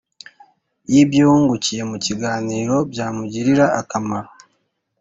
y’ibyo wungukiye mu kiganiro byamugirira akamaro.